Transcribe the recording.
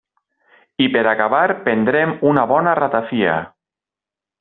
I per acabar prendrem una bona ratafia.